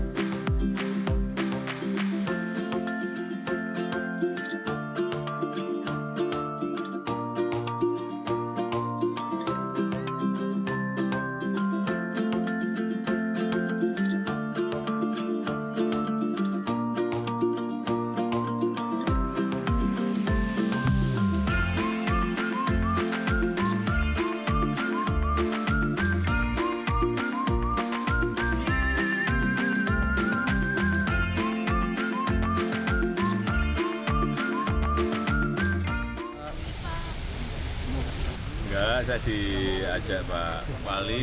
saya diajak pak wali